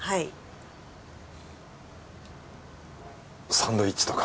サンドイッチとか。